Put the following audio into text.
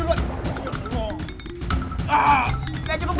gak gak gak gak